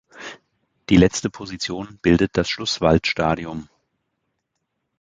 Die letzte Position bildet das Schlusswaldstadium.